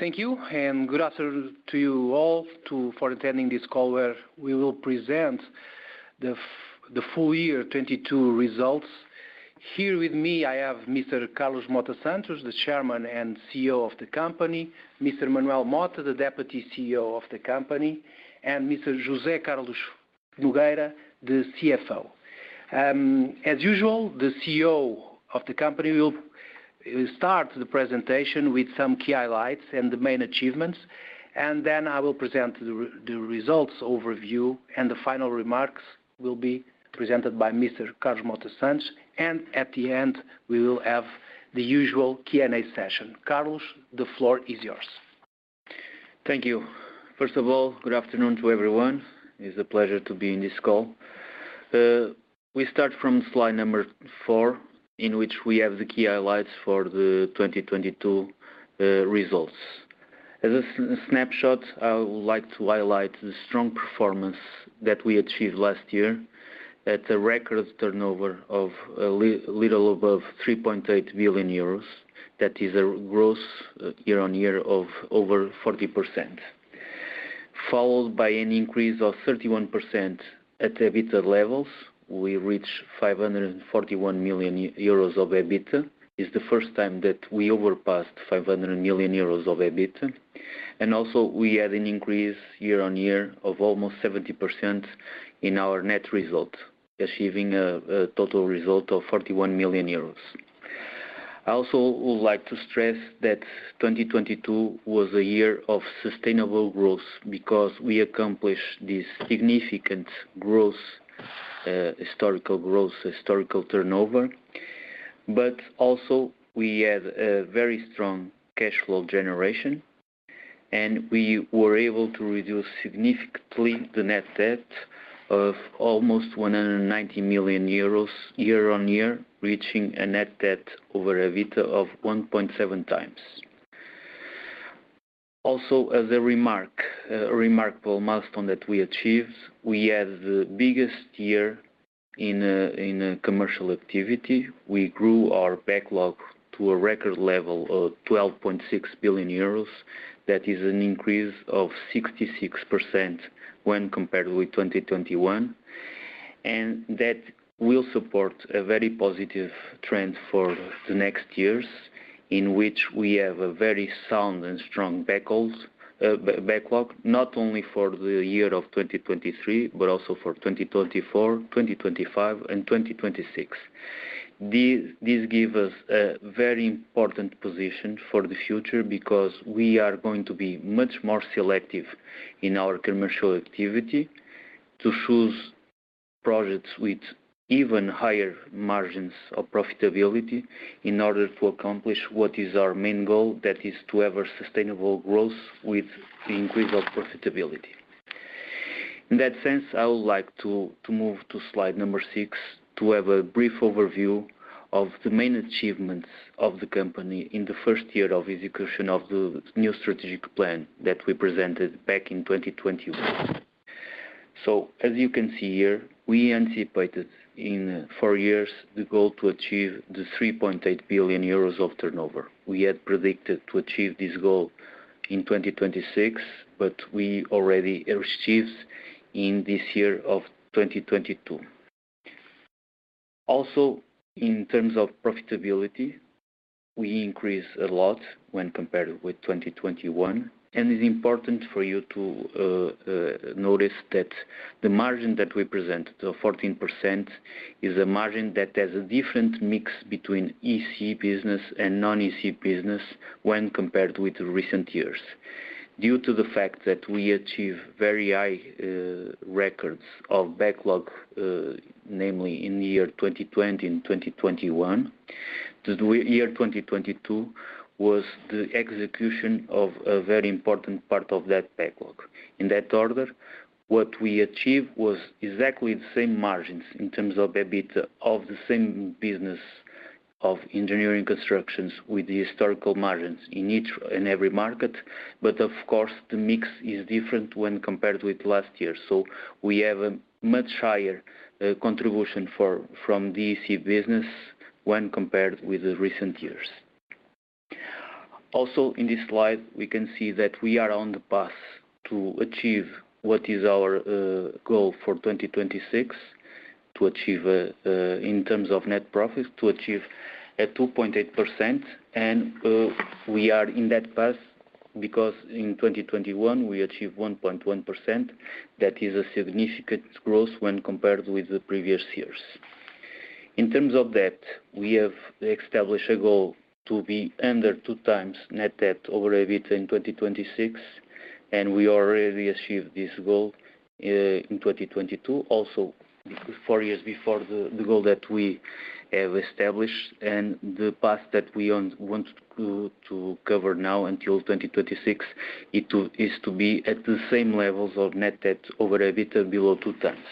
Thank you, good afternoon to you all for attending this call where we will present the full year 22 results. Here with me, I have Mr. Carlos Mota Santos, the Chairman and CEO of the company, Mr. Manuel Mota, the Deputy CEO of the company, and Mr. José Carlos Nogueira, the CFO. As usual, the CEO of the company will start the presentation with some key highlights and the main achievements, and then I will present the results overview, and the final remarks will be presented by Mr. Carlos Mota Santos. At the end, we will have the usual Q&A session. Carlos, the floor is yours. Thank you. Good afternoon to everyone. It's a pleasure to be in this call. We start from slide number four, in which we have the key highlights for the 2022 results. As a snapshot, I would like to highlight the strong performance that we achieved last year at a record turnover of a little above 3.8 billion euros. A growth year-over-year of over 40%, followed by an increase of 31% at EBITDA levels. We reached 541 million euros of EBITDA. It's the first time that we overpassed 500 million euros of EBITDA. We had an increase year-over-year of almost 70% in our net result, achieving a total result of 41 million euros. I also would like to stress that 2022 was a year of sustainable growth because we accomplished this significant growth, historical growth, historical turnover, but also we had a very strong cash flow generation, and we were able to reduce significantly the net debt of almost 190 million euros year-over-year, reaching a net debt over EBITDA of 1.7 times. As a remarkable milestone that we achieved, we had the biggest year in a commercial activity. We grew our backlog to a record level of 12.6 billion euros. That is an increase of 66% when compared with 2021. That will support a very positive trend for the next years in which we have a very sound and strong backlog, not only for the year of 2023 but also for 2024, 2025, and 2026. This give us a very important position for the future because we are going to be much more selective in our commercial activity to choose projects with even higher margins of profitability in order to accomplish what is our main goal. That is to have a sustainable growth with the increase of profitability. In that sense, I would like to move to slide number 6 to have a brief overview of the main achievements of the company in the first year of execution of the new strategic plan that we presented back in 2021. As you can see here, we anticipated in 4 years the goal to achieve the 3.8 billion euros of turnover. We had predicted to achieve this goal in 2026, but we already achieved in this year of 2022. Also, in terms of profitability, we increased a lot when compared with 2021. It's important for you to notice that the margin that we present, the 14%, is a margin that has a different mix between EC business and non-EC business when compared with recent years. Due to the fact that we achieved very high records of backlog, namely in the year 2020 and 2021, the year 2022 was the execution of a very important part of that backlog. In that order, what we achieved was exactly the same margins in terms of EBITDA of the same business of engineering constructions with the historical margins in each and every market. Of course, the mix is different when compared with last year. We have a much higher contribution from the EC business when compared with the recent years. Also, in this slide, we can see that we are on the path to achieve what is our goal for 2026, to achieve in terms of net profits, to achieve a 2.8%, we are in that path because in 2021 we achieved 1.1%. That is a significant growth when compared with the previous years. In terms of debt, we have established a goal to be under 2 times net debt over EBITDA in 2026. We already achieved this goal in 2022, also 4 years before the goal that we have established. The path that we want to cover now until 2026 is to be at the same levels of net debt over EBITDA below 2 times.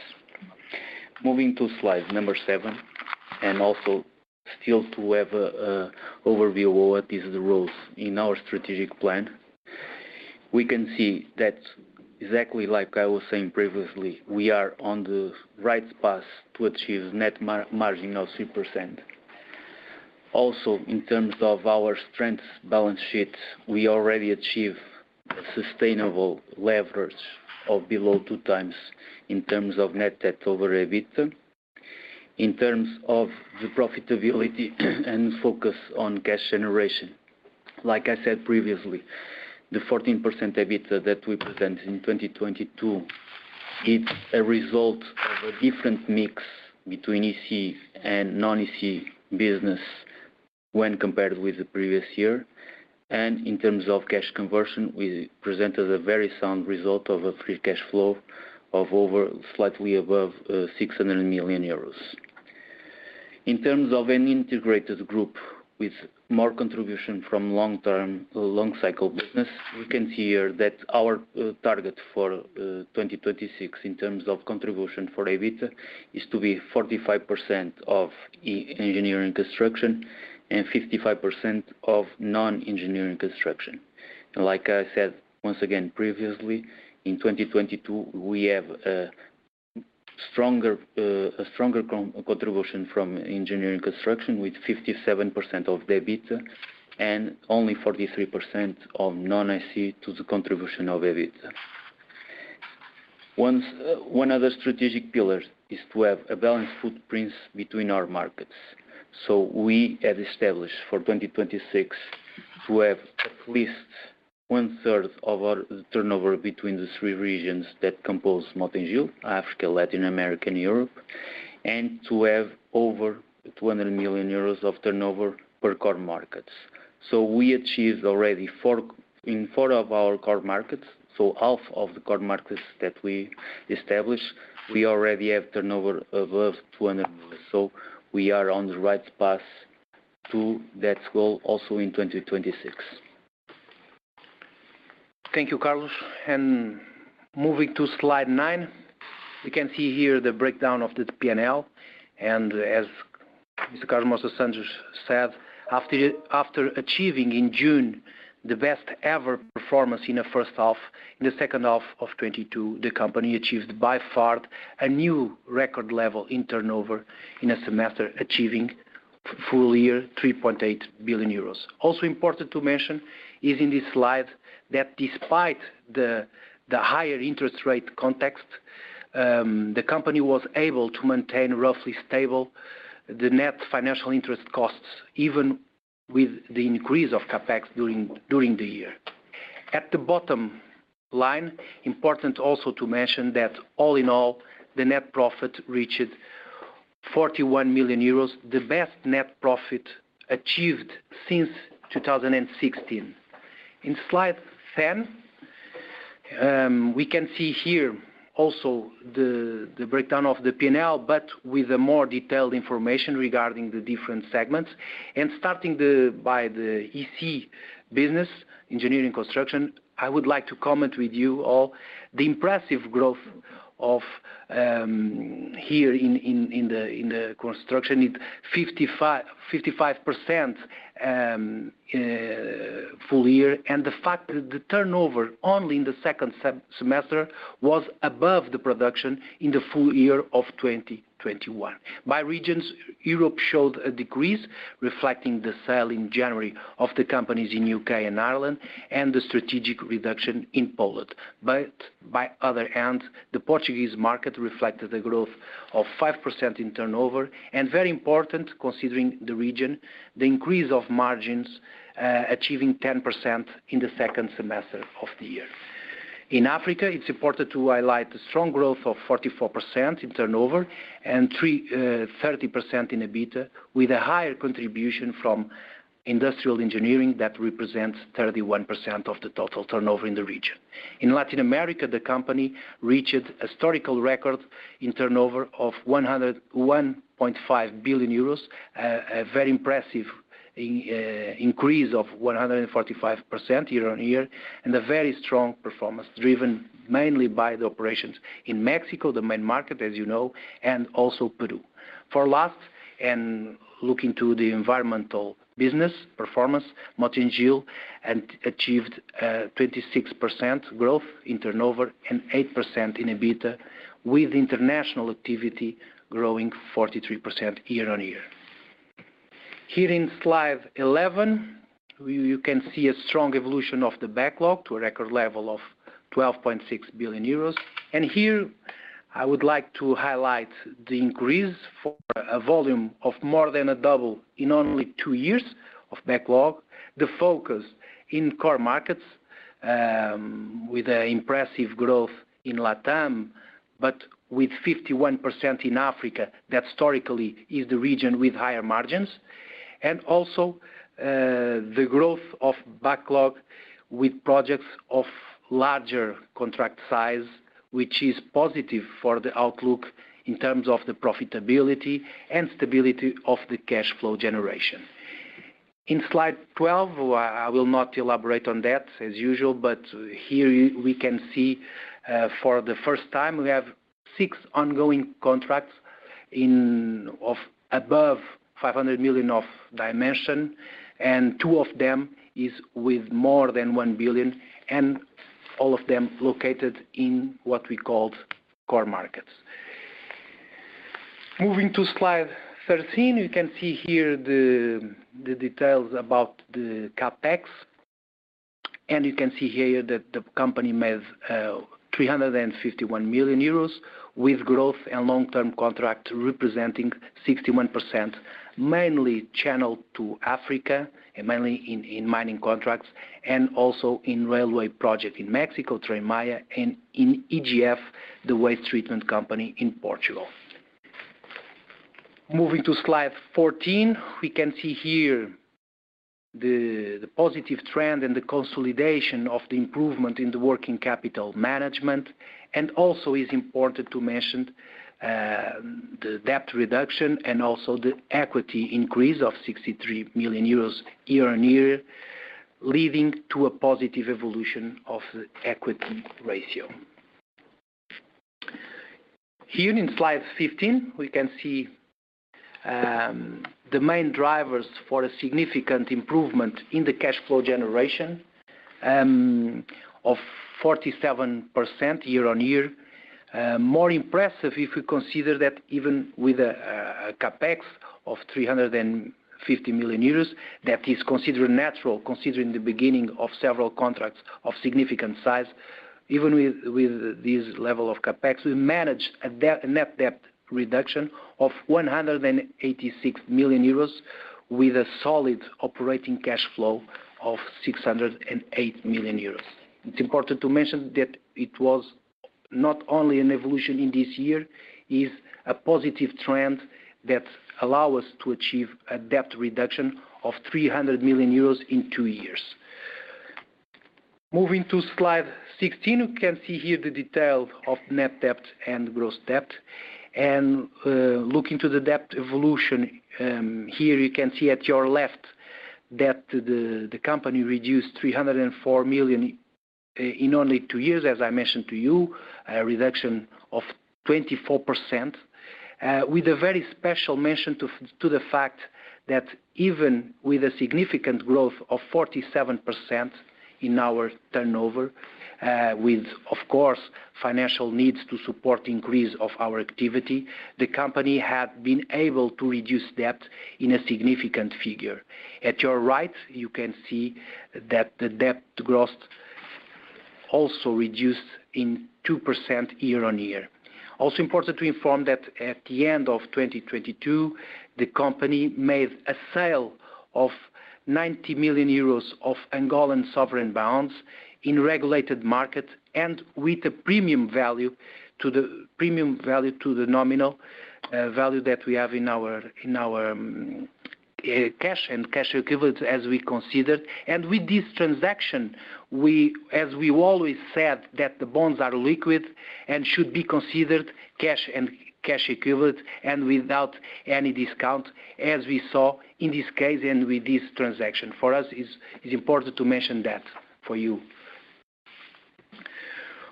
Moving to slide number 7, still to have a overview over these roles in our strategic plan. We can see that exactly like I was saying previously, we are on the right path to achieve net margin of 3%. In terms of our strength balance sheet, we already achieved a sustainable leverage of below two times in terms of net debt over EBITDA. In terms of the profitability and focus on cash generation, like I said previously, the 14% EBITDA that we present in 2022, it's a result of a different mix between EC and non-EC business when compared with the previous year. In terms of cash conversion, we presented a very sound result of a free cash flow of over, slightly above, 600 million euros. In terms of an integrated group with more contribution from long-term, long cycle business, we can see here that our target for 2026 in terms of contribution for EBITDA is to be 45% of Engineering Construction and 55% of non-Engineering Construction. Like I said, once again previously, in 2022, we have a stronger contribution from Engineering Construction with 57% of the EBITDA and only 43% of non-EC to the contribution of EBITDA. One other strategic pillars is to have a balanced footprints between our markets. We have established for 2026 to have at least one-third of our turnover between the three regions that compose Mota-Engil, Africa, Latin America, and Europe, and to have over 200 million euros of turnover per core markets. We achieved already in 4 of our core markets, so half of the core markets that we established, we already have turnover above EUR 200 million. Thank you, Carlos. Moving to slide 9, you can see here the breakdown of the P&L. As Mr. Carlos Mota Santos said, after achieving in June the best ever performance in the first half, in the second half of 2022, the company achieved by far a new record level in turnover in a semester, achieving full year 3.8 billion euros. Also important to mention is in this slide that despite the higher interest rate context, the company was able to maintain roughly stable the net financial interest costs, even with the increase of CapEx during the year. At the bottom line, important also to mention that all in all, the net profit reached 41 million euros, the best net profit achieved since 2016. In slide 10, we can see here also the breakdown of the P&L, with a more detailed information regarding the different segments. Starting by the EC business, Engineering Construction, I would like to comment with you all the impressive growth of here in the construction. It 55% full year. The fact that the turnover only in the second semester was above the production in the full year of 2021. By regions, Europe showed a decrease reflecting the sale in January of the companies in UK and Ireland and the strategic reduction in Poland. By other hand, the Portuguese market reflected a growth of 5% in turnover. Very important, considering the region, the increase of margins, achieving 10% in the second semester of the year. In Africa, it's important to highlight the strong growth of 44% in turnover and 30% in EBITDA, with a higher contribution from Industrial Engineering that represents 31% of the total turnover in the region. In Latin America, the company reached a historical record in turnover of 1.5 billion euros, a very impressive increase of 145% year-on-year, and a very strong performance driven mainly by the operations in Mexico, the main market as you know, and also Peru. For last, looking to the environmental business performance, Mota-Engil achieved 26% growth in turnover and 8% in EBITDA, with international activity growing 43% year-over-year. Here in slide 11, you can see a strong evolution of the backlog to a record level of 12.6 billion euros. Here I would like to highlight the increase for a volume of more than a double in only two years of backlog. The focus in core markets, with an impressive growth in LatAm, with 51% in Africa, that historically is the region with higher margins. Also, the growth of backlog with projects of larger contract size, which is positive for the outlook in terms of the profitability and stability of the cash flow generation. In slide 12, I will not elaborate on that as usual, but here we can see, for the first time, we have 6 ongoing contracts of above 500 million of dimension and 2 of them is with more than 1 billion and all of them located in what we called core markets. Moving to slide 13, you can see here the details about the CapEx. You can see here that the company made 351 million euros with growth and long-term contract representing 61%, mainly channeled to Africa and mainly in mining contracts and also in railway project in Mexico, Tren Maya, and in EGF, the waste treatment company in Portugal. Moving to slide 14, we can see here the positive trend and the consolidation of the improvement in the working capital management. Also is important to mention, the debt reduction and also the equity increase of 63 million euros year-on-year, leading to a positive evolution of the equity ratio. Here in slide 15, we can see the main drivers for a significant improvement in the cash flow generation of 47% year-on-year. More impressive if you consider that even with a CapEx of 350 million euros that is considered natural considering the beginning of several contracts of significant size. Even with this level of CapEx, we managed a net debt reduction of 186 million euros with a solid operating cash flow of 608 million euros. It's important to mention that it was not only an evolution in this year. It's a positive trend that allow us to achieve a debt reduction of 300 million euros in 2 years. Moving to slide 16, you can see here the detail of net debt and gross debt. Looking to the debt evolution, here you can see at your left that the company reduced 304 million in only 2 years, as I mentioned to you, a reduction of 24%. With a very special mention to the fact that even with a significant growth of 47% in our turnover, with of course, financial needs to support increase of our activity, the company had been able to reduce debt in a significant figure. At your right, you can see that the debt gross also reduced in 2% year-on-year. Important to inform that at the end of 2022, the company made a sale of 90 million euros of Angolan sovereign bonds in regulated market and with a premium value to the nominal value that we have in our, in our cash and cash equivalents as we considered. With this transaction, we, as we always said that the bonds are liquid and should be considered cash and cash equivalent and without any discount as we saw in this case and with this transaction. For us is important to mention that for you.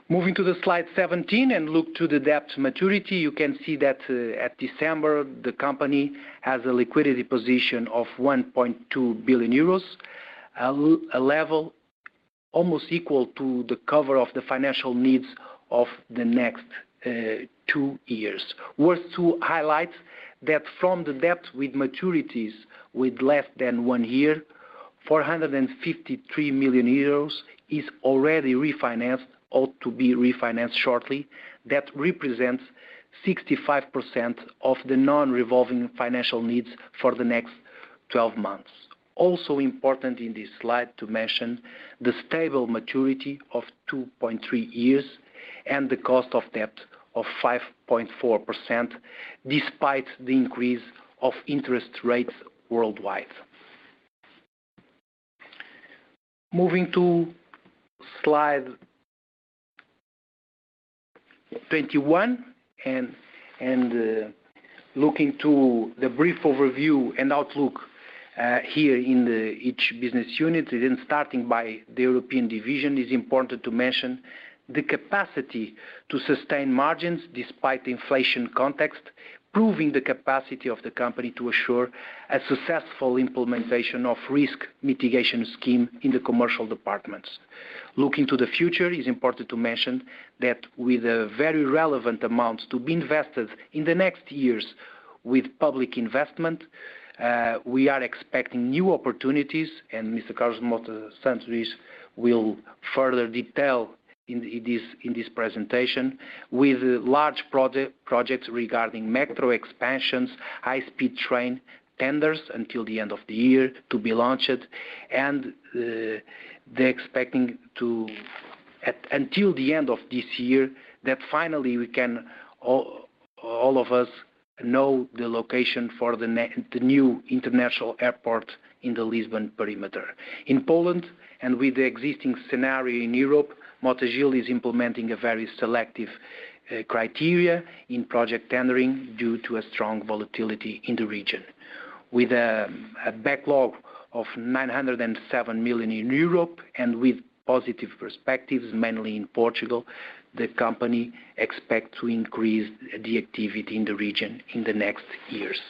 Moving to the slide 17 and look to the debt maturity, you can see that at December, the company has a liquidity position of 1.2 billion euros. A level almost equal to the cover of the financial needs of the next two years. Worth to highlight that from the debt with maturities with less than one year, 453 million euros is already refinanced or to be refinanced shortly. That represents 65% of the non-revolving financial needs for the next 12 months. Important in this slide to mention the stable maturity of 2.3 years and the cost of debt of 5.4% despite the increase of interest rates worldwide. Moving to slide 21 and looking to the brief overview and outlook, here in the each business unit and then starting by the European division, it's important to mention the capacity to sustain margins despite inflation context, proving the capacity of the company to assure a successful implementation of risk mitigation scheme in the commercial departments. Looking to the future, it's important to mention that with a very relevant amount to be invested in the next years with public investment, we are expecting new opportunities, and Mr. Carlos Mota Santos will further detail in this presentation with large projects regarding metro expansions, high-speed train tenders until the end of the year to be launched. They're expecting until the end of this year that finally we can all of us know the location for the new international airport in the Lisbon perimeter. In Poland with the existing scenario in Europe, Mota-Engil is implementing a very selective criteria in project tendering due to a strong volatility in the region. With a backlog of 907 million in Europe and with positive perspectives mainly in Portugal, the company expects to increase the activity in the region in the next years.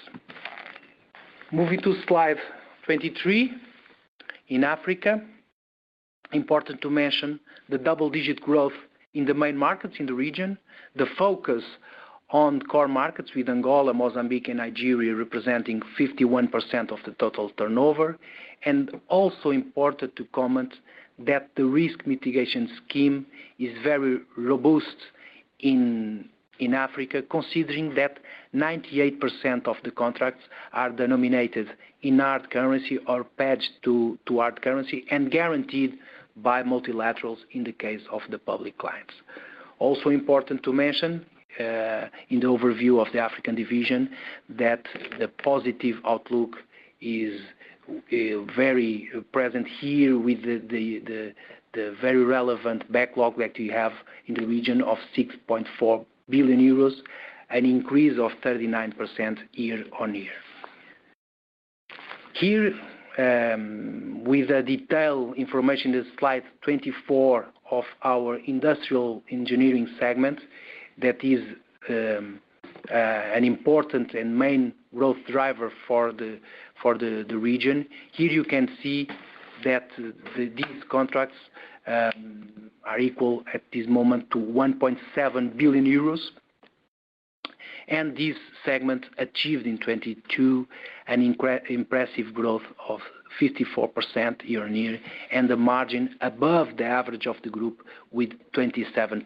Moving to slide 23. In Africa, important to mention the double-digit growth in the main markets in the region. The focus on core markets with Angola, Mozambique and Nigeria representing 51% of the total turnover. Also important to comment that the risk mitigation scheme is very robust in Africa, considering that 98% of the contracts are denominated in hard currency or patched to hard currency and guaranteed by multilaterals in the case of the public clients. Also important to mention in the overview of the African division that the positive outlook is very present here with the very relevant backlog that we have in the region of 6.4 billion euros, an increase of 39% year-on-year. Here, with the detailed information, the slide 24 of our Industrial Engineering segment, that is an important and main growth driver for the region. Here you can see that these contracts are equal at this moment to 1.7 billion euros. This segment achieved in 2022 an impressive growth of 54% year on year, and the margin above the average of the group with 27%.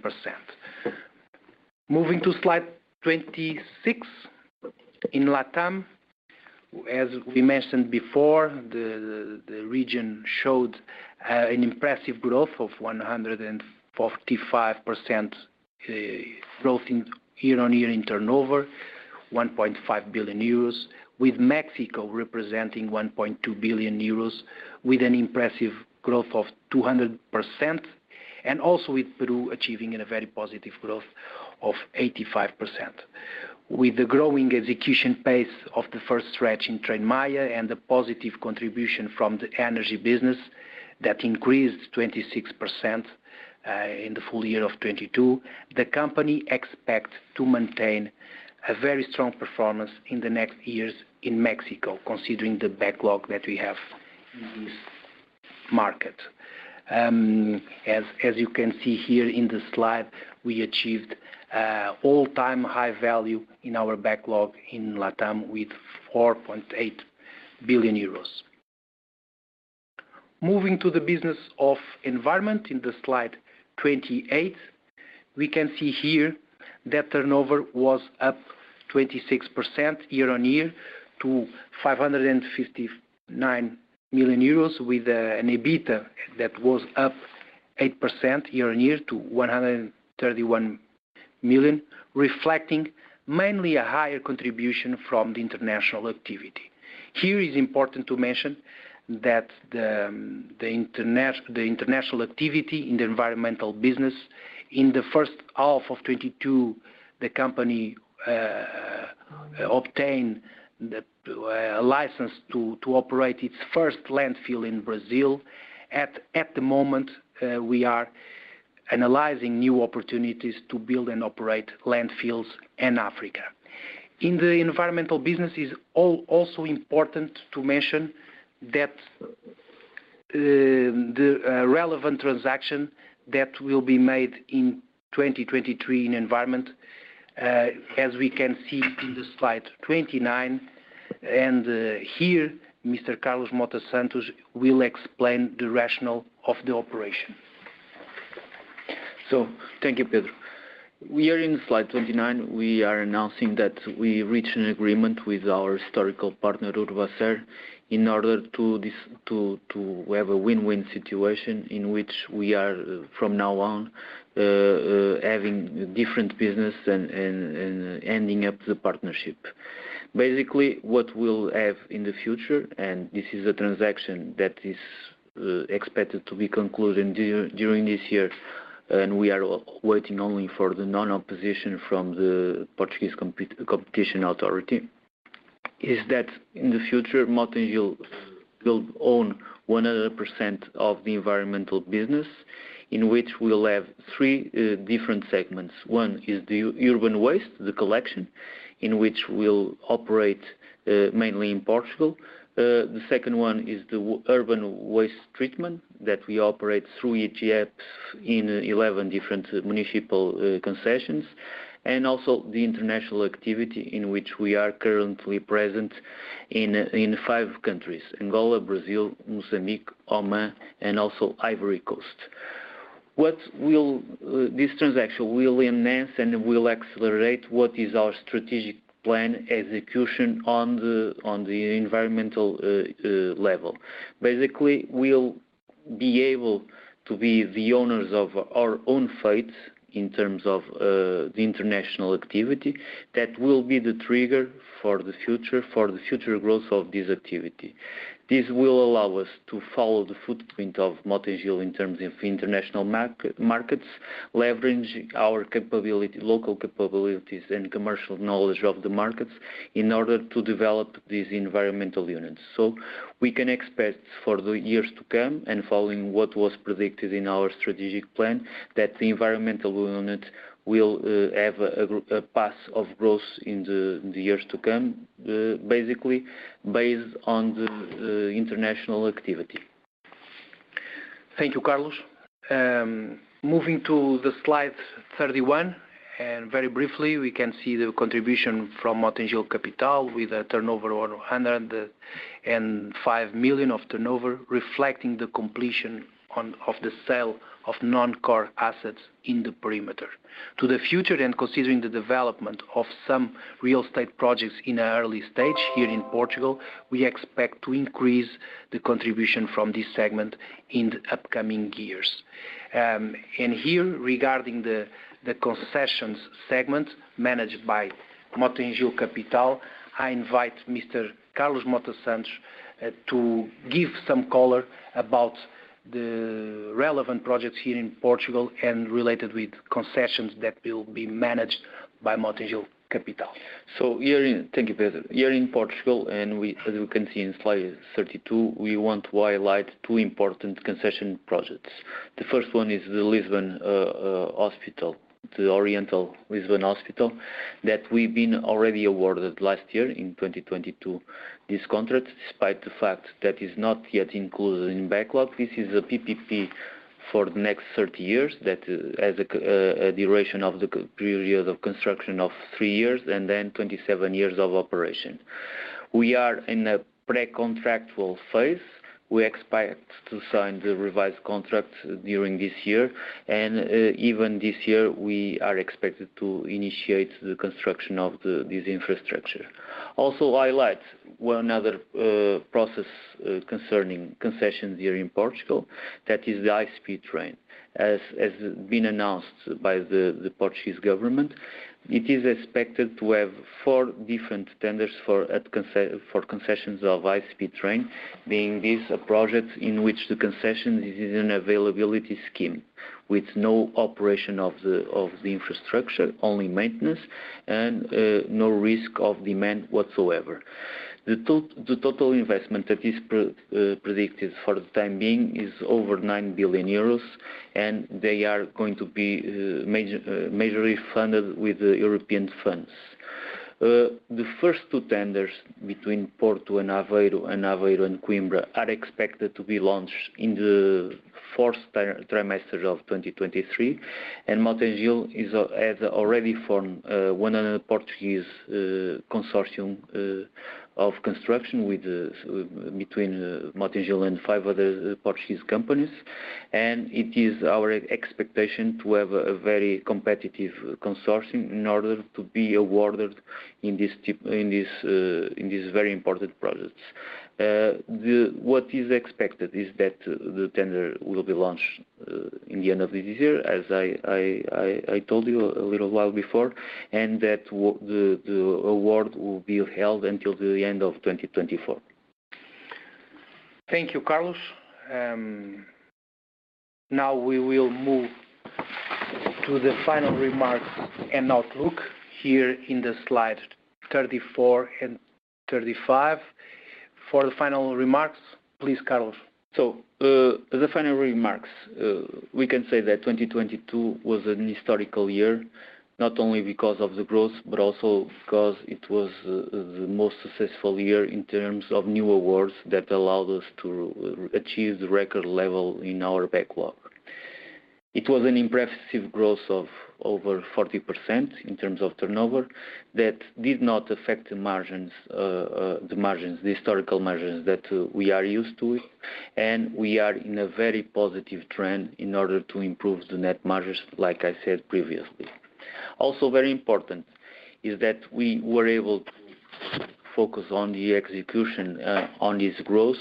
Moving to slide 26. In Latam, as we mentioned before, the region showed an impressive growth of 145% growth in year on year in turnover, 1.5 billion euros, with Mexico representing 1.2 billion euros with an impressive growth of 200%, and also with Peru achieving in a very positive growth of 85%. With the growing execution pace of the first stretch in Tren Maya and the positive contribution from the energy business that increased 26%, in the full year of 2022, the company expects to maintain a very strong performance in the next years in Mexico, considering the backlog that we have in this market. As you can see here in the slide, we achieved all-time high value in our backlog in Latam with 4.8 billion euros. Moving to the business of environment in the slide 28. We can see here that turnover was up 26% year on year to 559 million euros with an EBITDA that was up 8% year on year to 131 million, reflecting mainly a higher contribution from the international activity. Here is important to mention that the international activity in the environmental business, in the first half of 2022, the company obtained the license to operate its first landfill in Brazil. At the moment, we are analyzing new opportunities to build and operate landfills in Africa. In the environmental businesses, also important to mention that the relevant transaction that will be made in 2023 in environment, as we can see in the slide 29. Here, Mr. Carlos Mota Santos will explain the rationale of the operation. Thank you. We are in slide 29. We are announcing that we reached an agreement with our historical partner, Veolia, in order to have a win-win situation in which we are from now on having different business and ending up the partnership. Basically, what we'll have in the future, and this is a transaction that is expected to be concluded during this year, and we are waiting only for the non-opposition from the Portuguese Competition Authority, is that in the future, Mota-Engil will own 100% of the environmental business, in which we'll have 3 different segments. One is the urban waste, the collection, in which we'll operate mainly in Portugal. The second one is the urban waste treatment that we operate through EGF in 11 different municipal concessions, and also the international activity in which we are currently present in 5 countries, Angola, Brazil, Mozambique, Oman, and also Ivory Coast. What this transaction will enhance and will accelerate what is our strategic plan execution on the environmental level. Basically, we'll be able to be the owners of our own fate in terms of the international activity. That will be the trigger for the future growth of this activity. This will allow us to follow the footprint of Mota-Engil in terms of international markets, leveraging our local capabilities and commercial knowledge of the markets in order to develop these environmental units. We can expect for the years to come and following what was predicted in our strategic plan, that the environmental unit will have a path of growth in the years to come, basically based on the international activity. Thank you, Carlos. Moving to the slide 31, very briefly, we can see the contribution from Mota-Engil Capital with a turnover of 105 million of turnover, reflecting the completion of the sale of non-core assets in the perimeter. Considering the development of some real estate projects in an early stage here in Portugal, we expect to increase the contribution from this segment in the upcoming years. Regarding the concessions segment managed by Mota-Engil Capital, I invite Mr. Carlos Mota Santos to give some color about the relevant projects here in Portugal and related with concessions that will be managed by Mota-Engil Capital. Thank you. Here in Portugal, as you can see in slide 32, we want to highlight two important concession projects. The first one is the Lisbon hospital, the Oriental Lisbon Hospital, that we've been already awarded last year in 2022. This contract, despite the fact that is not yet included in backlog, this is a PPP for the next 30 years that has a duration of the period of construction of 3 years and then 27 years of operation. We are in a pre-contractual phase. We expect to sign the revised contract during this year. Even this year, we are expected to initiate the construction of this infrastructure. Also highlight one other process concerning concessions here in Portugal. That is the high-speed train. As been announced by the Portuguese government, it is expected to have four different tenders for concessions of high-speed train, being this a project in which the concession is an availability scheme with no operation of the infrastructure, only maintenance, and no risk of demand whatsoever. The total investment that is predicted for the time being is over 9 billion euros, they are going to be majorly funded with the European funds. The first two tenders between Porto and Aveiro, and Aveiro and Coimbra, are expected to be launched in the fourth trimester of 2023. Mota-Engil has already formed one other Portuguese consortium of construction between Mota-Engil and 5 other Portuguese companies. It is our expectation to have a very competitive consortium in order to be awarded in these very important projects. What is expected is that the tender will be launched in the end of this year, as I told you a little while before, and that the award will be held until the end of 2024. Thank you, Carlos. Now we will move to the final remarks and outlook here in the slide 34 and 35. For the final remarks, please, Carlos. The final remarks, we can say that 2022 was an historical year, not only because of the growth, but also because it was the most successful year in terms of new awards that allowed us to achieve the record level in our backlog. It was an impressive growth of over 40% in terms of turnover that did not affect the margins, the historical margins that we are used to. We are in a very positive trend in order to improve the net margins, like I said previously. Also very important is that we were able to focus on the execution, on this growth,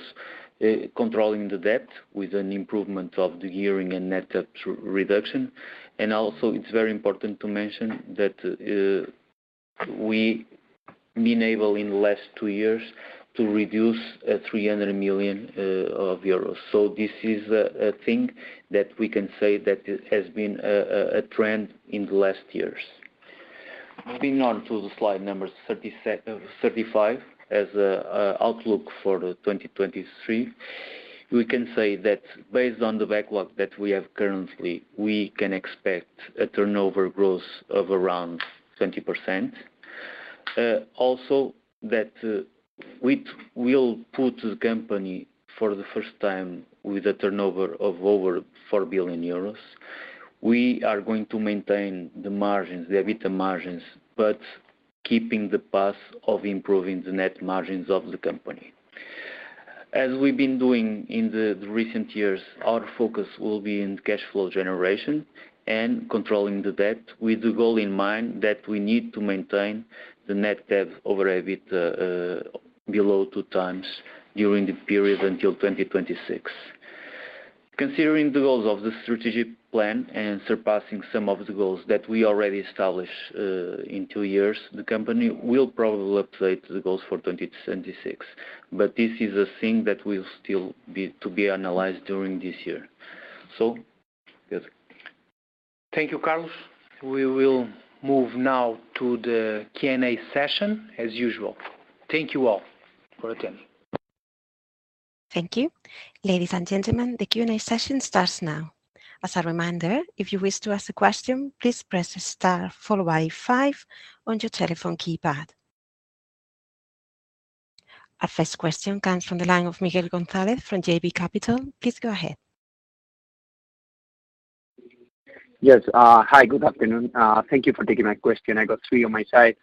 controlling the debt with an improvement of the gearing and net debt reduction. Also, it's very important to mention that we been able in last two years to reduce 300 million euros. This is a thing that we can say that it has been a trend in the last years. Moving on to the slide number 35 as an outlook for 2023. We can say that based on the backlog that we have currently, we can expect a turnover growth of around 20%. Also that we will put the company for the first time with a turnover of over 4 billion euros. We are going to maintain the margins, the EBITDA margins, but keeping the path of improving the net margins of the company. As we've been doing in the recent years, our focus will be in cash flow generation and controlling the debt with the goal in mind that we need to maintain the net debt over EBITDA below 2 times during the period until 2026. Considering the goals of the strategic plan and surpassing some of the goals that we already established in 2 years, the company will probably update the goals for 20 to 2026. This is a thing that will still be to be analyzed during this year. Thank you, Carlos. We will move now to the Q&A session as usual. Thank you all for attending. Thank you. Ladies and gentlemen, the Q&A session starts now. As a reminder, if you wish to ask a question, please press star followed by 5 on your telephone keypad. Our first question comes from the line of Miguel González from JB Capital. Please go ahead. Yes, hi, good afternoon. Thank you for taking my question. I got three on my side.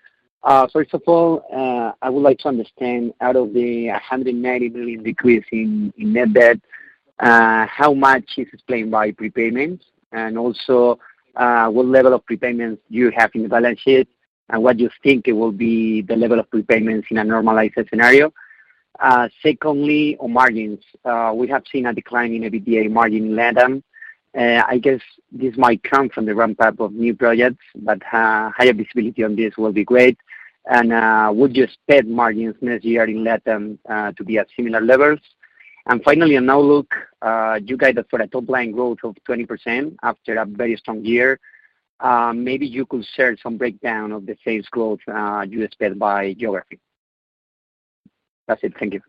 First of all, I would like to understand out of the 190 million decrease in net debt, how much is explained by prepayments? Also, what level of prepayments do you have in the balance sheet? What you think it will be the level of prepayments in a normalized scenario. Secondly, on margins. We have seen a decline in EBITDA margin in LatAm. I guess this might come from the ramp-up of new projects, but higher visibility on this will be great. Would you expect margins next year in LatAm to be at similar levels? Finally, on outlook, you guided for a top line growth of 20% after a very strong year. Maybe you could share some breakdown of the sales growth you expect by geography. That's it. Thank you.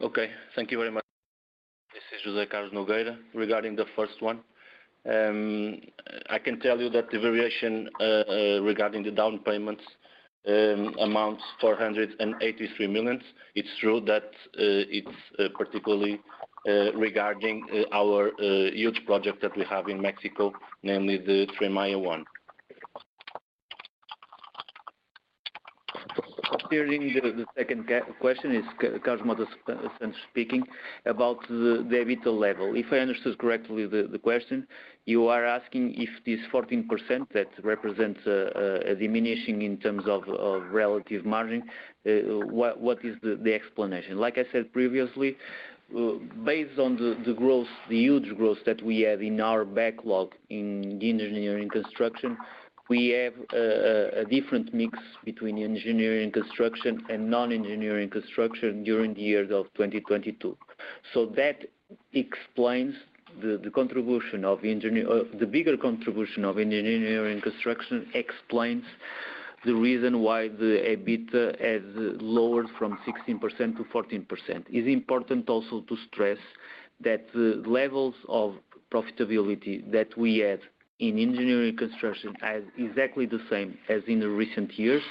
Okay. Thank you very much. This is José Carlos Nogueira. Regarding the first one, I can tell you that the variation regarding the down payments amounts 483 million. It's true that it's particularly regarding our huge project that we have in Mexico, namely the Tren Maya one. During the second question is Carlos Mota Santos speaking about the EBITDA level. If I understood correctly the question you are asking if this 14% that represents a diminishing in terms of relative margin, what is the explanation? Like I said previously, based on the growth, the huge growth that we have in our backlog in engineering construction, we have a different mix between engineering construction and non-engineering construction during the year of 2022. That explains the bigger contribution of engineering construction explains the reason why the EBITDA has lowered from 16% to 14%. It's important also to stress that the levels of profitability that we have in engineering construction are exactly the same as in the recent years.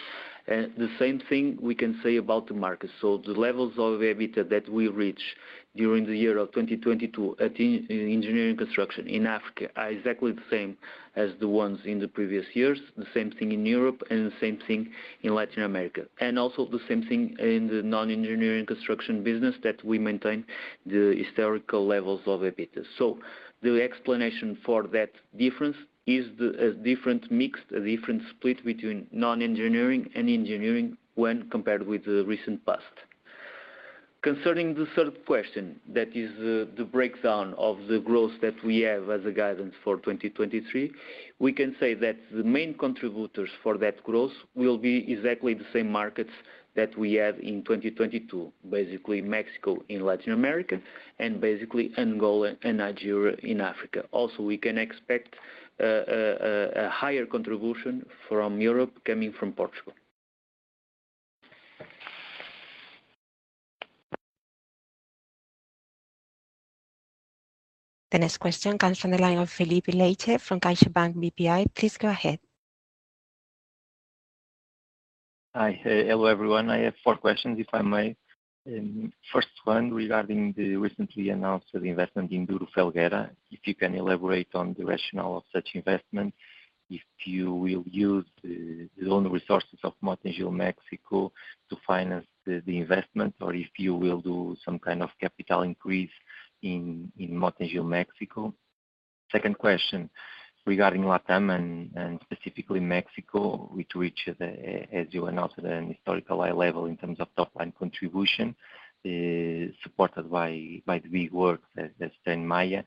The same thing we can say about the market. The levels of EBITDA that we reach during the year of 2022 at engineering construction in Africa are exactly the same as the ones in the previous years, the same thing in Europe and the same thing in Latin America, and also the same thing in the non-engineering construction business that we maintain the historical levels of EBITDA. The explanation for that difference is the, a different mix, a different split between non-engineering and engineering when compared with the recent past. Concerning the third question, that is the breakdown of the growth that we have as a guidance for 2023, we can say that the main contributors for that growth will be exactly the same markets that we have in 2022, basically Mexico in Latin America and basically Angola and Nigeria in Africa. Also, we can expect a higher contribution from Europe coming from Portugal. The next question comes from the line of Filipe Leite from CaixaBank BPI. Please go ahead. Hi. Hello, everyone. I have four questions, if I may. First one, regarding the recently announced investment in Duro Felguera, if you can elaborate on the rationale of such investment, if you will use the own resources of Mota-Engil Mexico to finance the investment or if you will do some kind of capital increase in Mota-Engil Mexico? Second question regarding LatAm and specifically Mexico, which reached, as you announced, an historical high level in terms of top line contribution, supported by the big work that's in Maya.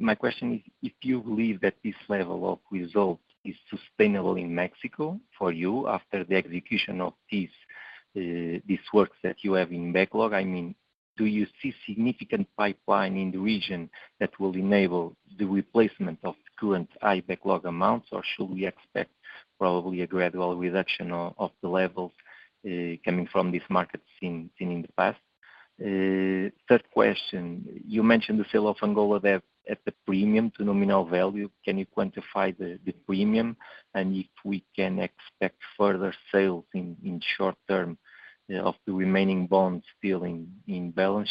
My question is if you believe that this level of result is sustainable in Mexico for you after the execution of this works that you have in backlog? I mean, do you see significant pipeline in the region that will enable the replacement of current high backlog amounts, or should we expect probably a gradual reduction of the levels coming from this market seen in the past? Third question. You mentioned the sale of Angolan debt at the premium to nominal value. Can you quantify the premium and if we can expect further sales in short-term of the remaining bonds still in balance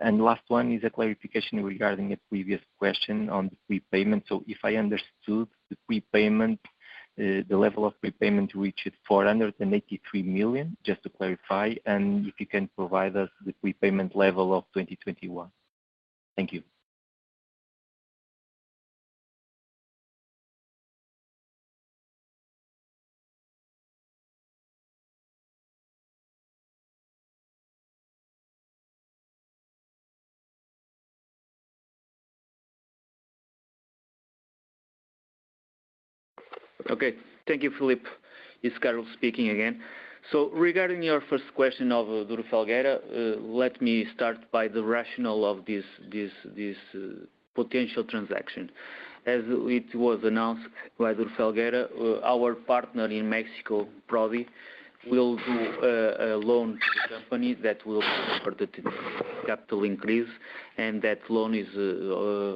sheet? Last one is a clarification regarding a previous question on the prepayment. If I understood the prepayment, the level of prepayment reached 483 million, just to clarify, and if you can provide us the prepayment level of 2021. Thank you. Okay. Thank you, Filipe. It's Carlos speaking again. Regarding your first question of Duro Felguera, let me start by the rationale of this potential transaction. As it was announced by Duro Felguera, our partner in Mexico, Prodi, will do a loan to the company that will support the capital increase, and that loan is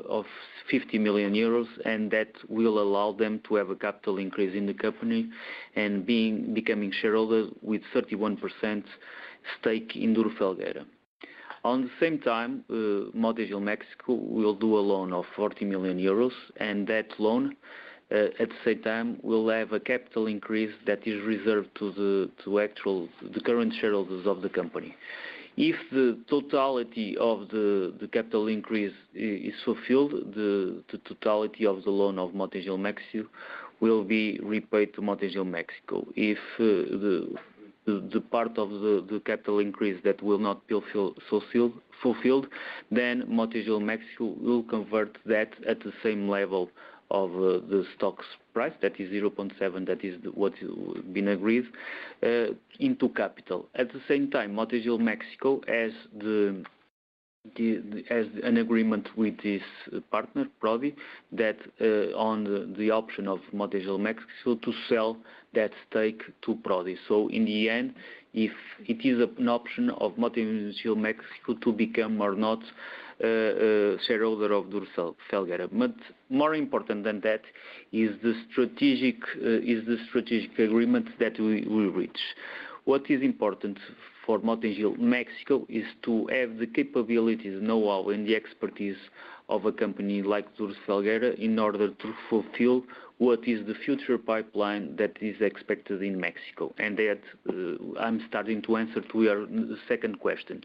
of 50 million euros, and that will allow them to have a capital increase in the company and becoming shareholders with 31% stake in Duro Felguera. On the same time, Mota-Engil México will do a loan of 40 million euros, and that loan, at the same time, will have a capital increase that is reserved to the current shareholders of the company. If the totality of the capital increase is fulfilled, the totality of the loan of Mota-Engil México will be repaid to Mota-Engil México. If the part of the capital increase that will not fulfilled, Mota-Engil México will convert that at the same level of the stocks price, that is 0.7, that is what has been agreed into capital. At the same time, Mota-Engil México has an agreement with this partner, Prodi, that on the option of Mota-Engil México to sell that stake to Prodi. In the end, if it is an option of Mota-Engil México to become or not a shareholder of Duro Felguera. More important than that is the strategic agreement that we reach. What is important for Mota-Engil México is to have the capabilities, the know-how, and the expertise of a company like Duro Felguera in order to fulfill what is the future pipeline that is expected in Mexico. That, I'm starting to answer to your second question.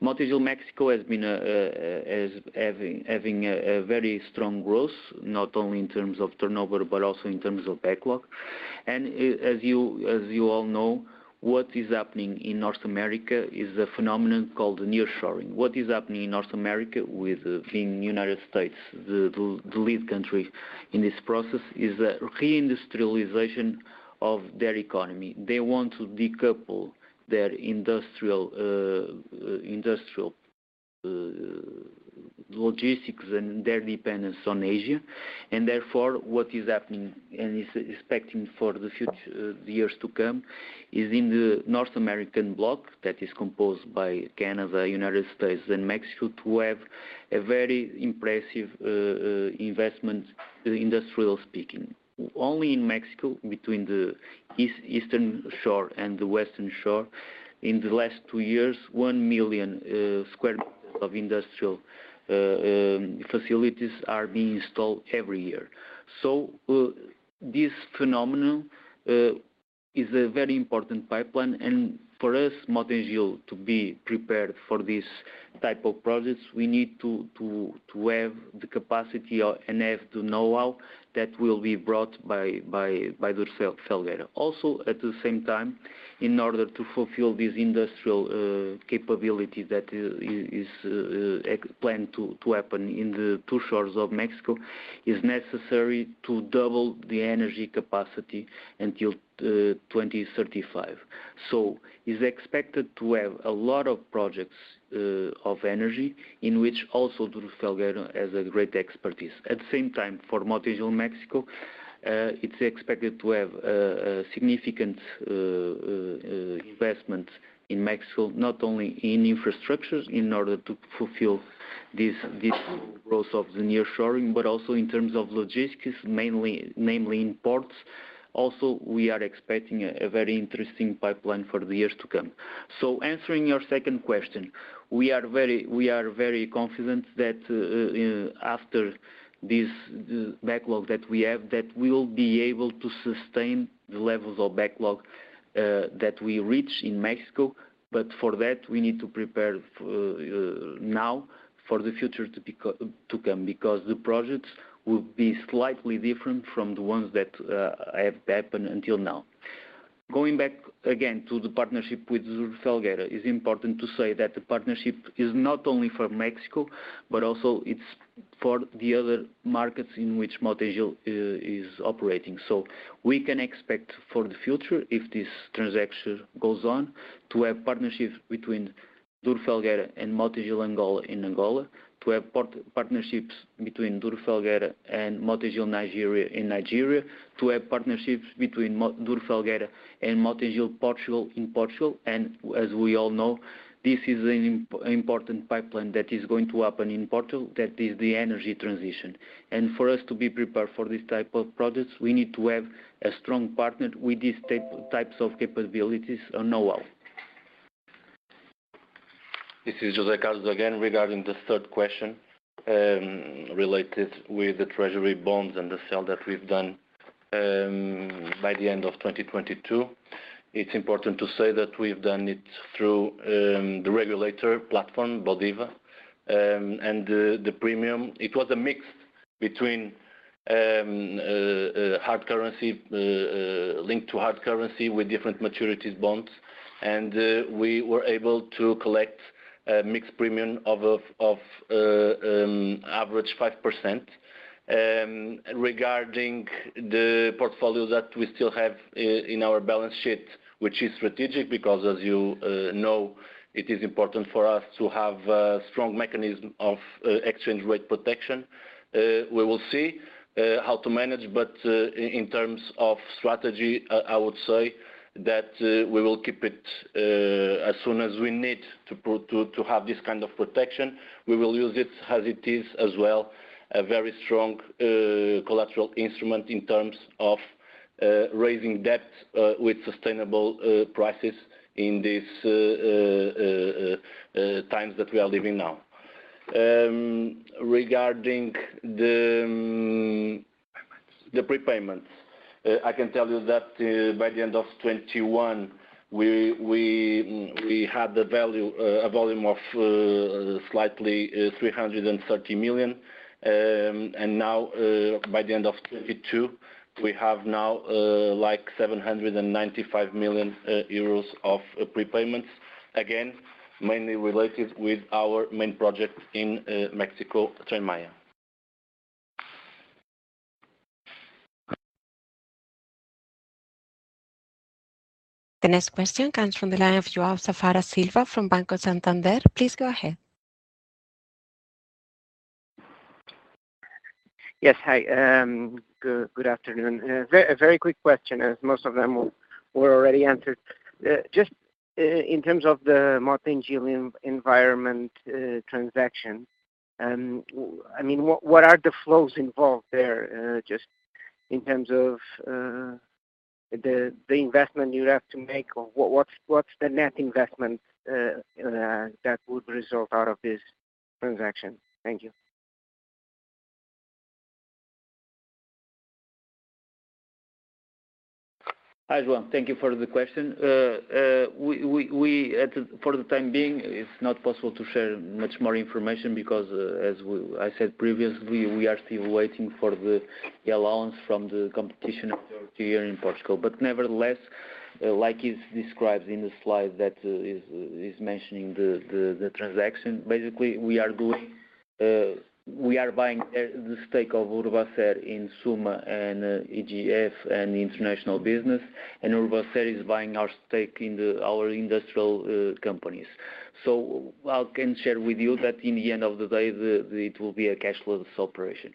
Mota-Engil México has been is having a very strong growth, not only in terms of turnover, but also in terms of backlog. As you all know, what is happening in North America is a phenomenon called nearshoring. What is happening in North America with the United States, the lead country in this process, is a re-industrialization of their economy. They want to decouple their industrial logistics and their dependence on Asia. Therefore, what is happening and is expecting for the years to come is in the North American block that is composed by Canada, United States, and Mexico to have a very impressive investment industrial speaking. Only in Mexico, between the East-Eastern shore and the Western shore, in the last two years, 1 million square meters of industrial facilities are being installed every year. This phenomenon is a very important pipeline. For us, Mota-Engil, to be prepared for this type of projects, we need to have the capacity and have to know how that will be brought by Duro Felguera. At the same time, in order to fulfill this industrial capability that is planned to happen in the two shores of Mexico, is necessary to double the energy capacity until 2035. It's expected to have a lot of projects of energy in which also Duro Felguera has a great expertise. At the same time, for Mota-Engil México, it's expected to have a significant investment in Mexico, not only in infrastructures in order to fulfill this growth of the nearshoring, but also in terms of logistics, namely in ports. We are expecting a very interesting pipeline for the years to come. Answering your second question, we are very confident that after this backlog that we have, that we will be able to sustain the levels of backlog that we reach in Mexico. For that, we need to prepare now for the future to come because the projects will be slightly different from the ones that have happened until now. Going back again to the partnership with Duro Felguera, it's important to say that the partnership is not only for Mexico, but also it's for the other markets in which Mota-Engil is operating. We can expect for the future, if this transaction goes on, to have partnerships between Duro Felguera and Mota-Engil Angola in Angola, to have partnerships between Duro Felguera and Mota-Engil Nigeria in Nigeria, to have partnerships between Duro Felguera and Mota-Engil Portugal in Portugal. As we all know, this is an important pipeline that is going to happen in Portugal. That is the energy transition. For us to be prepared for these types of projects, we need to have a strong partner with these types of capabilities or know-how. This is José Carlos again, regarding the third question, related with the treasury bonds and the sale that we've done, by the end of 2022. It's important to say that we've done it through the regulator platform, Bolsa. The premium, it was a mix between hard currency linked to hard currency with different maturities bonds. We were able to collect a mixed premium of average 5%. Regarding the portfolio that we still have in our balance sheet, which is strategic because as you know, it is important for us to have a strong mechanism of exchange rate protection. We will see how to manage, but in terms of strategy, I would say that we will keep it as soon as we need to have this kind of protection. We will use it as it is as well, a very strong collateral instrument in terms of raising debt with sustainable prices in these times that we are living now. Regarding the Prepayments. The prepayments. I can tell you that, by the end of 2021, we had the value, a volume of slightly 330 million. Now, by the end of 2022, we have now like 795 million euros of prepayments, again, mainly related with our main project in Mexico, Tren Maya. The next question comes from the line of João Silva from Banco Santander. Please go ahead. Yes. Hi. Good afternoon. A very quick question, as most of them were already answered. just in terms of the Mota-Engil Ambiente environment transaction, I mean, what are the flows involved there, just in terms of the investment you'd have to make or what's the net investment that would result out of this transaction? Thank you. Hi, João. Thank you for the question. We for the time being, it's not possible to share much more information because I said previously, we are still waiting for the allowance from the Portuguese Competition Authority. Nevertheless, like it's described in the slide that is mentioning the transaction, basically, we are doing, we are buying the stake of Urbaser in SUMA and EGF and the international business, and Urbaser is buying our stake in our industrial companies. I can share with you that in the end of the day, it will be a cash flow operation.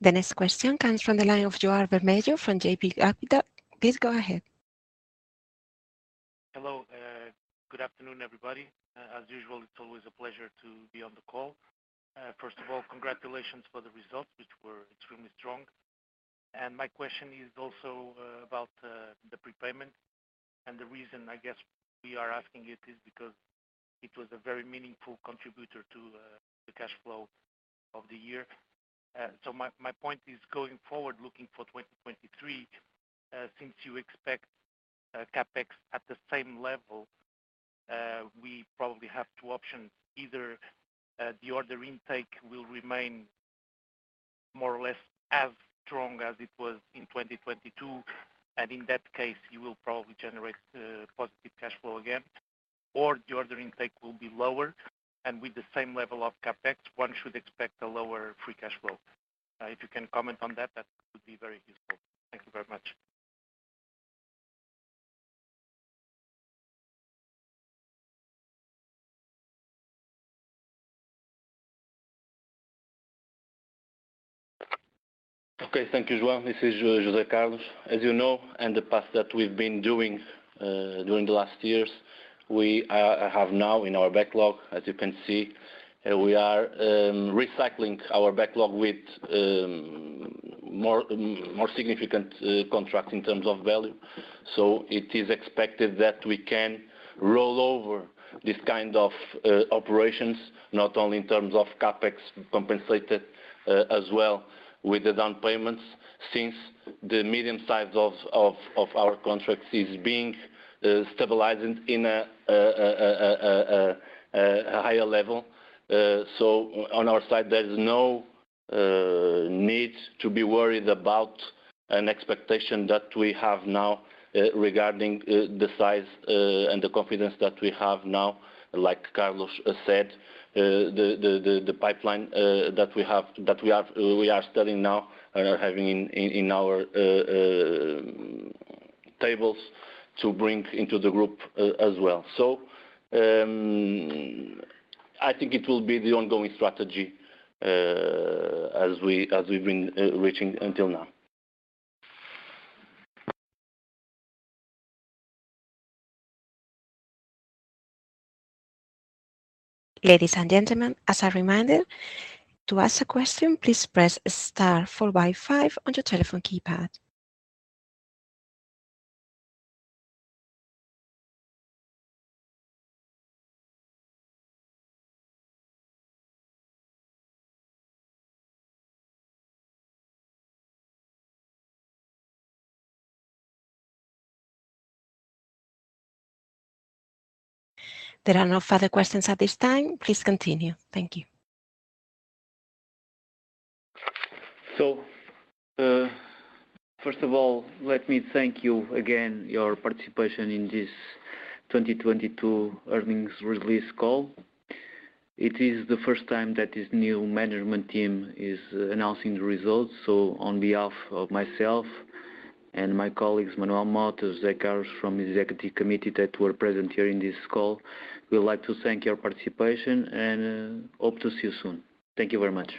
The next question comes from the line of João Vermelho from JB Capital. Please go ahead. Hello. good afternoon, everybody. as usual, it's always a pleasure to be on the call. first of all, congratulations for the results, which were extremely strong. My question is also about the prepayment. The reason I guess we are asking it is because it was a very meaningful contributor to the cash flow of the year. My point is going forward looking for 2023, since you expect CapEx at the same level, we probably have two options. Either, the order intake will remain more or less as strong as it was in 2022, and in that case, you will probably generate positive cash flow again, or the order intake will be lower. With the same level of CapEx, one should expect a lower free cash flow. If you can comment on that would be very useful. Thank you very much. Thank you, João. This is José Carlos. As you know, in the past that we've been doing during the last years, we have now in our backlog, as you can see, we are recycling our backlog with more, more significant contracts in terms of value. It is expected that we can roll over this kind of operations, not only in terms of CapEx compensated as well with the down payments since the medium size of our contracts is being stabilized in a higher level. On our side, there is no need to be worried about an expectation that we have now regarding the size and the confidence that we have now, like Carlos said, the pipeline that we have, we are studying now and are having in our tables to bring into the group as well. I think it will be the ongoing strategy as we've been reaching until now. Ladies and gentlemen, as a reminder, to ask a question, please press star followed by 5 on your telephone keypad. There are no further questions at this time. Please continue. Thank you. First of all, let me thank you again, your participation in this 2022 earnings release call. It is the first time that this new management team is announcing the results. On behalf of myself and my colleagues, Manuel Mota, José Carlos, from executive committee that were present here in this call, we would like to thank your participation and hope to see you soon. Thank you very much.